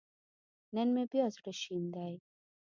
نن مې بيا زړه شين دی